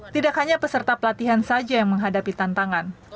tidak hanya peserta pelatihan saja yang menghadapi tantangan